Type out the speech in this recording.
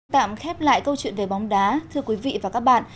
tạm khép lại câu chuyện về bóng đá thưa quý vị và các bạn